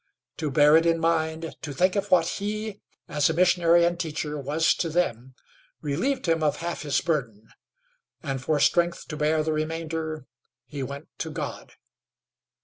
To bear it in mind, to think of what he, as a missionary and teacher, was to them, relieved him of half his burden, and for strength to bear the remainder he went to God.